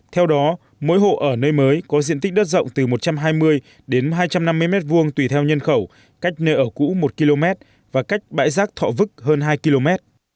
theo đó mỗi hộ ở nơi mới có diện tích đất rộng từ một trăm hai mươi đến hai trăm năm mươi m hai tùy theo nhân khẩu cách nơi ở cũ một km và cách bãi rác thọ vức hơn hai km